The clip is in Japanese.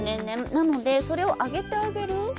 なので、それを上げてあげる。